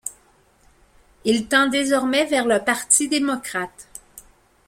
Il tend désormais vers le Parti démocrate.